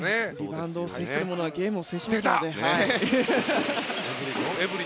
リバウンドを制する者はゲームを制しますからね。